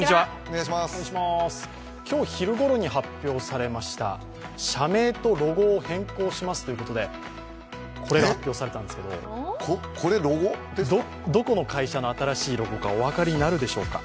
今日、昼頃に発表されました社名とロゴを変更しますということで、これが発表されたんですけれどもどこの会社の新しいロゴかお分かりになるでしょうか。